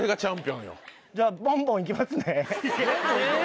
じゃあボンボン行きますね。